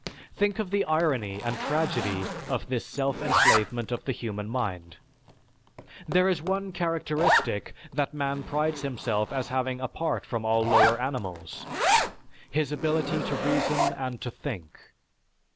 Think of the irony and tragedy of this self enslavement of the human mind! There is one characteristic that man prides himself as having apart from all lower animals, his ability to reason and to think.